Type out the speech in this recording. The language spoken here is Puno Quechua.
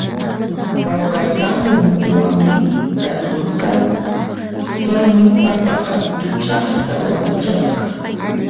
Pawkartambo muhuwanmi tarpurqayku, chaymi papa hatuchaqta wachasqa